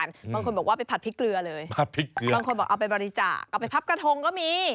บางคนบอกว่าไปผัดพริกเกลือเลยบางคนบอกเอาไปบริจาคเอาไปพับกระทงก็มี